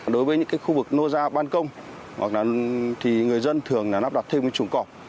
đối với những khu vực nô ra ban công người dân thường nắp đặt thêm chuồng cọp